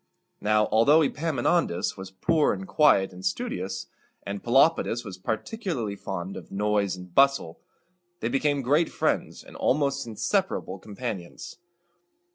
Now, although Epaminondas was poor, quiet, and studious, and Pelopidas was particularly fond of noise and bustle, they became great friends and almost inseparable companions.